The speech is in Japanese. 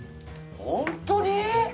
本当に？